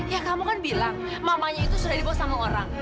ya kamu kan bilang mamanya itu sudah dibawa sama orang